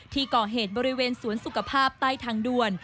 ที่ก่อเหตุบริเวณสวนสุขภาพใต้ทางด่วน